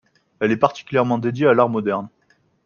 Elle est plus particulièrement dédiée à l'art moderne.